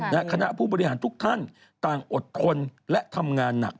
และคณะผู้บริหารทุกท่านต่างอดทนและทำงานหนัก